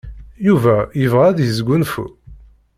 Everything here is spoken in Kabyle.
Yuba yebɣa ad yesgunfu?